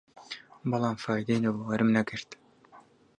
بەڵام فایدەی نەبوو، وەرم نەگرت